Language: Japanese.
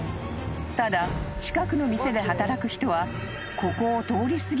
［ただ近くの店で働く人は］